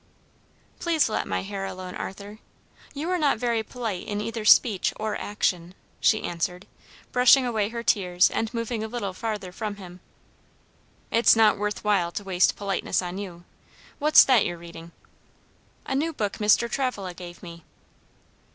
"Please let my hair alone, Arthur; you are not very polite in either speech or action," she answered, brushing away her tears and moving a little farther from him. "It's not worth while to waste politeness on you. What's that you're reading?" "A new book Mr. Travilla gave me."